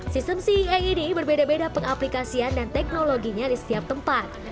sistem cea ini berbeda beda pengaplikasian dan teknologinya di setiap tempat